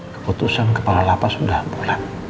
keputusan kepala lapas udah bulat